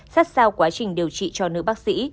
sát sao quá trình điều trị cho nữ bác sĩ